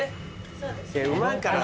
そうですね。